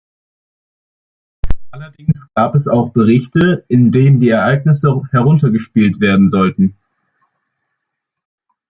Allerdings gab es auch Berichte, in denen die Ereignisse heruntergespielt werden sollten.